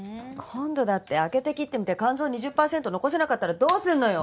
今度だって開けて切ってみて肝臓２０パーセント残せなかったらどうするのよ！